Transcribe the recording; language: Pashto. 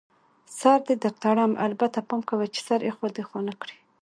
سر دې در تړم، البته پام کوه چي سر اخوا دیخوا نه کړې.